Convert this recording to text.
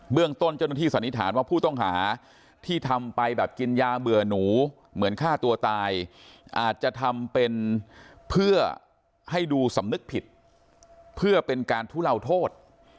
เรื่องต้นเจ้าหน้าที่สันนิษฐานว่าผู้ต้องหาที่ทำไปแบบกินยาเบื่อหนูเหมือนฆ่าตัวตายอาจจะทำเป็นเพื่อให้ดูสำนึกผิดเพื่อเป็นการทุเลาโทษ